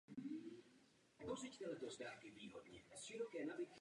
Zástavba je situována na pravém břehu řeky Bíliny.